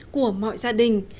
của mọi gia đình